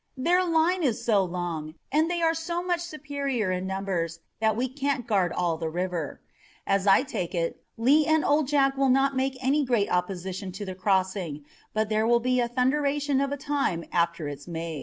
Their line is so long and they are so much superior in numbers that we can't guard all the river. As I take it, Lee and Old Jack will not make any great opposition to the crossing, but there will be a thunderation of a time after it's made."